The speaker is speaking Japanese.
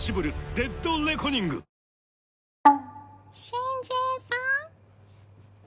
新人さん？